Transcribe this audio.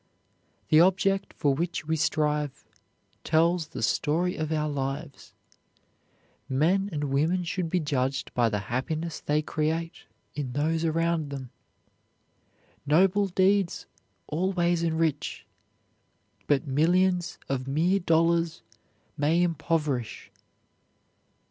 The object for which we strive tells the story of our lives. Men and women should be judged by the happiness they create in those around them. Noble deeds always enrich, but millions of mere dollars may impoverish.